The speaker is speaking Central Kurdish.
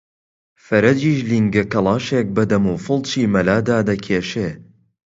فەرەجیش لینگە کەڵاشێک بە دەم و فڵچی مەلادا دەکێشێ